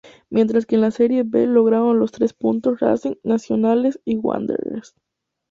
Mientras que en la Serie B lograron los tres puntos Racing, Nacional y Wanderers.